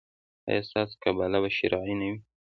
ایا ستاسو قباله به شرعي نه وي؟